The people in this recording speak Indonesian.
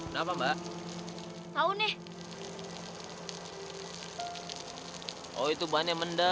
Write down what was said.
sampai jumpa di video selanjutnya